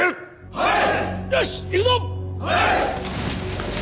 はい！